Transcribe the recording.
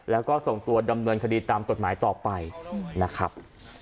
แล้วก็ส่งตัวดำเนินคดีตามกฎหมายต่อไปนะครับ